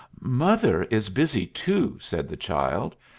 "Mother is busy, too," said the child.